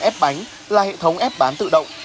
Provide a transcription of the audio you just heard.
ép bánh là hệ thống ép bán tự động